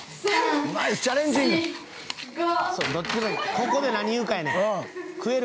ここで何言うかやねん食える